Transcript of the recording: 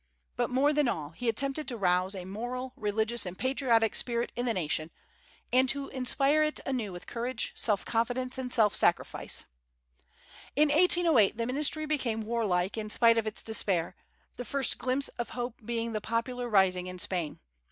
But, more than all, he attempted to rouse a moral, religious, and patriotic spirit in the nation, and to inspire it anew with courage, self confidence, and self sacrifice. In 1808 the ministry became warlike in spite of its despair, the first glimpse of hope being the popular rising in Spain.